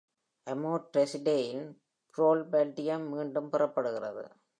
அம்மோட்ரெசிடேயின் புரோபல்டிடியம் மீண்டும் பெறப்படுகிறது.